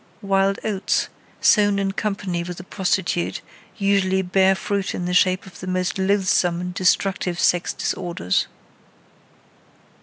"Wild oats" sown in company with the prostitute usually bear fruit in the shape of the most loathsome and destructive sex disorders.